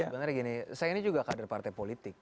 sebenarnya gini saya ini juga kader partai politik